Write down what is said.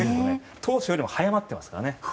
当初より早まっていますからね。